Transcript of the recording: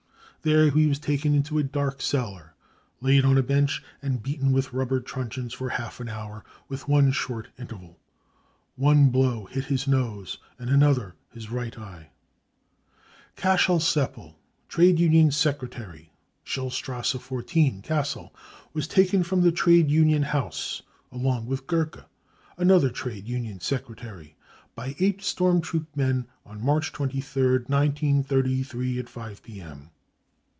There he was taken into a dark cellar, laid on a bench, and beaten with rubber truncheons for half an hour, with one short interval. One blow hit his nose, and another his right eye." ■n " Kaschel Seppel, trade union secretary, Schillstrasse 14, Cassel, was taken from the trade union house, along with Gerke, another trade union secretary, by eight I storm troop men, on March 23rd, 1933, 5 p.m.